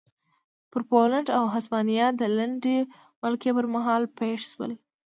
پر پولنډ او هسپانیا د لنډې ولکې پرمهال پېښ شول.